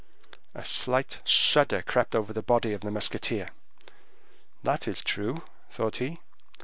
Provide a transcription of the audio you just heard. A slight shudder crept over the body of the musketeer. "That is true," thought he.